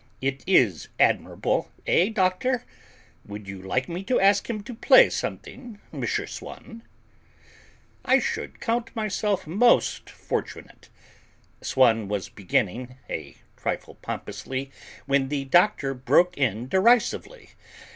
It is admirable; eh, Doctor? Would you like me to ask him to play something, M. Swann?" "I should count myself most fortunate..." Swann was beginning, a trifle pompously, when the Doctor broke in derisively.